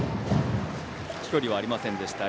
飛距離はありませんでした。